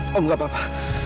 om enggak apa apa